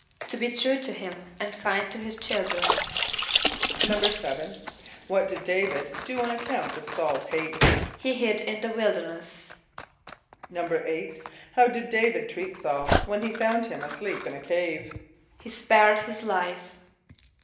=To be true to him and kind to his children.= =7.= What did D[=a]´vid do on account of S[a:]ul's hate? =He hid in the wilderness.= =8.= How did D[=a]´vid treat S[a:]ul, when he found him asleep in a cave? =He spared his life.